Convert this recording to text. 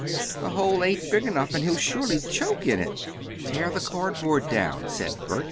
"The hole ain't big enough and he'll surely choke in it." "Tear the cardboard down," said Bert.